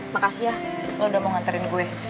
makasih ya lo udah mau nganterin gue